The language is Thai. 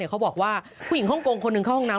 เขาบอกว่าผู้หญิงฮ่องกงคนหนึ่งเข้าห้องน้ำ